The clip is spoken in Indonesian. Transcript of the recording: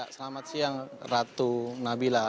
selamat siang ratu nabila